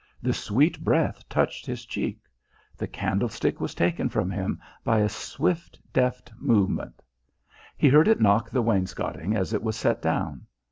The sweet breath touched his cheek. The candlestick was taken from him by a swift, deft movement. He heard it knock the wainscoting as it was set down.